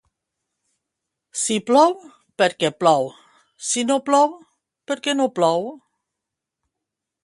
Si plou, perquè plou; si no plou, perquè no plou.